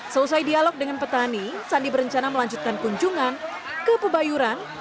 selesai dialog dengan petani sandi berencana melanjutkan kunjungan ke pebayuran